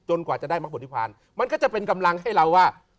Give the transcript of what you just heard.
กว่าจะได้มักบุธิพานมันก็จะเป็นกำลังให้เราว่า